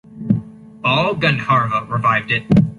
Bal Gandharva revived it.